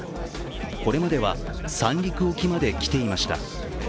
これまでは三陸沖まで来ていました。